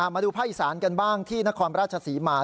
มาดูภาคอีสานกันบ้างที่นครราชศรีมา